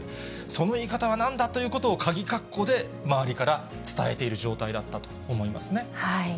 その言い方はなんだということを、かぎかっこで周りから伝えている状態だったと思いますね。